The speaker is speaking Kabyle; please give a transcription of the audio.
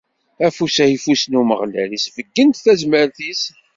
Afus ayeffus n Umeɣlal isbeyyen-d tazmert-is.